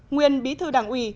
nguyên bí thư đảng ủy